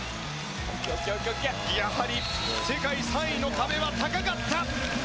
やはり世界３位の壁は高かった。